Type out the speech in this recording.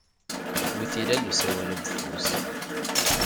Wi t-ilan usawal-a n ufus?